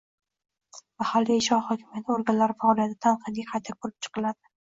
mahalliy ijro hokimiyati organlari faoliyati tanqidiy qayta ko‘rib chiqiladi.